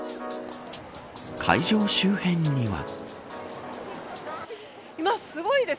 会場周辺には。